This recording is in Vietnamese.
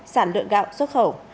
sản lượng gạo xuất khẩu